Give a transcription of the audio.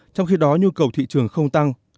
trong khi đó nhu cầu thị trường không tăng